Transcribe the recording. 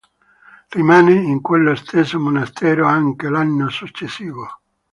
Rimane in quello stesso monastero anche l'anno successivo.